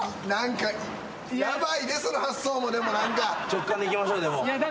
直感でいきましょうでも。